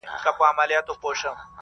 پر وړاندې به یې درېږو